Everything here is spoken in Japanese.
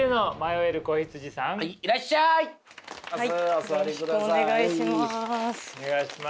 よろしくお願いします。